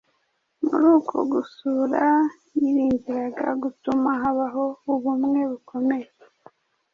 Muri uku gusura yiringiraga gutuma habaho ubumwe bukomeye